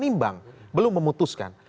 nimbang belum memutuskan